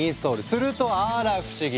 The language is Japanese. するとあら不思議！